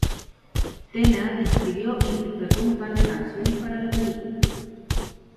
Tena escribió e interpretó un par de canciones para la película.